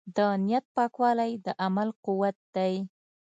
د نیت پاکوالی د عمل قوت دی.